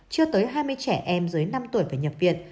chưa tới hai mươi trẻ em dưới năm tuổi phải nhập viện